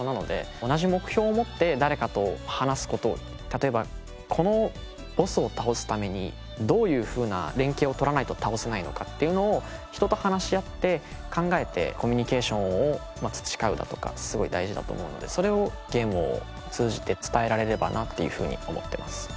例えばこのボスを倒すためにどういうふうな連係を取らないと倒せないのかっていうのを人と話し合って考えてコミュニケーションを培うだとかすごい大事だと思うのでそれをゲームを通じて伝えられればなっていうふうに思ってます。